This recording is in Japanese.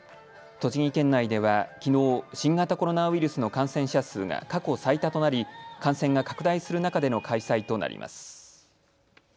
栃木県内ではきのう新型コロナウイルスの感染者数が過去最多となり感染が拡大する中での開催となります。